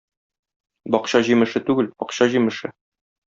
Бакча җимеше түгел - акча җимеше.